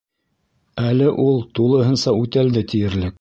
Әле ул тулыһынса үтәлде тиерлек.